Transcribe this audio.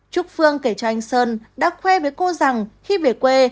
trúc phương kể cho anh sơn đã khoe với cô rằng khi về quê